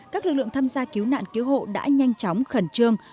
các lực lượng tham gia cứu nạn cứu hộ đã nhanh chóng khẩn trương